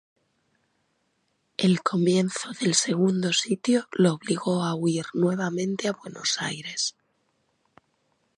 El comienzo del segundo sitio lo obligó a huir nuevamente a Buenos Aires.